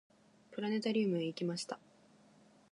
プラネタリウムへ行きました。